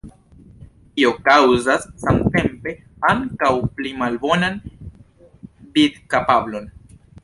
Tio kaŭzas samtempe ankaŭ pli malbonan vidkapablon.